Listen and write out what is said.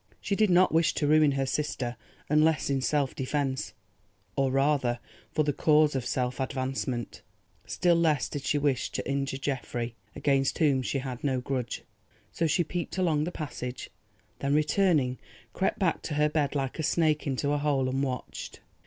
She did not wish to ruin her sister unless in self defence, or rather, for the cause of self advancement. Still less did she wish to injure Geoffrey, against whom she had no grudge. So she peeped along the passage, then returning, crept back to her bed like a snake into a hole and watched.